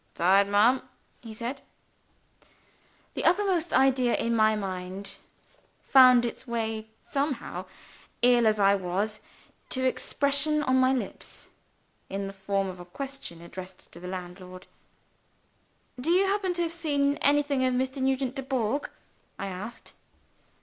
"Tired, ma'am?" he said. The uppermost idea in my mind found its way somehow, ill as I was, to expression on my lips in the form of a question addressed to the landlord. "Do you happen to have seen anything of Mr. Nugent Dubourg?" I asked.